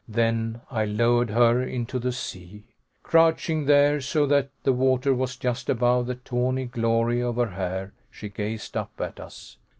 Then I lowered her into the sea. Crouching there, so that the water was just above the tawny glory of her hair, she gazed up at us.